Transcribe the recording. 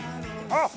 あっ！